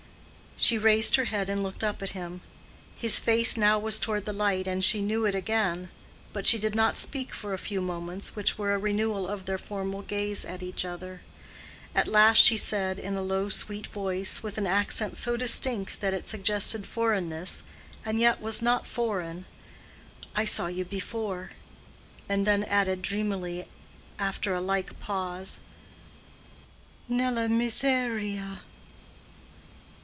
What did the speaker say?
She raised her head and looked up at him. His face now was toward the light, and she knew it again. But she did not speak for a few moments which were a renewal of their former gaze at each other. At last she said in a low sweet voice, with an accent so distinct that it suggested foreignness and yet was not foreign, "I saw you before," and then added dreamily, after a like pause, "nella miseria."